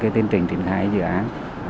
tiến trình trình khai dự án